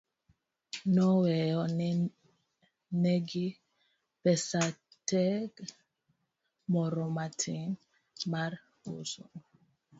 Noweyo ne gi pasenteg moro matin mar uso.